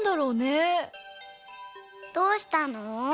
どうしたの？